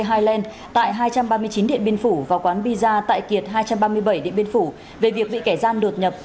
higland tại hai trăm ba mươi chín điện biên phủ và quán pizza tại kiệt hai trăm ba mươi bảy điện biên phủ về việc bị kẻ gian đột nhập